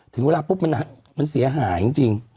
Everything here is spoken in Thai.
ถึงเวลาปุ๊บมันเสียหายจริง